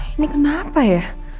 ini kenapa ya